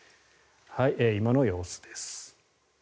今の様子です。